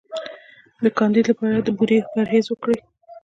د کاندیدا لپاره د بورې پرهیز وکړئ